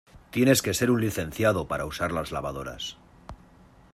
tienes que ser un licenciado para usar las lavadoras.